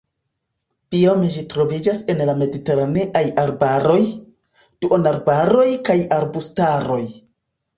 Biome ĝi troviĝas en la mediteraneaj arbaroj, duonarbaroj kaj arbustaroj.